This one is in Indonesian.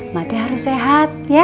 mati harus sehat ya